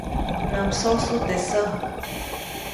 Nä msosu teʼ säjk.